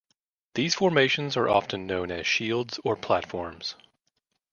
These formations are often known as shields or platforms.